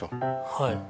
はい。